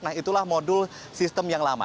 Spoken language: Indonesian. nah itulah modul sistem yang lama